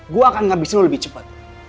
gua akan ngabisin lu lebih cepet